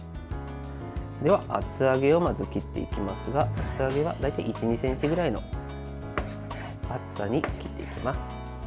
では、厚揚げをまず切っていきますが厚揚げは大体１２ｃｍぐらいの厚さに切っていきます。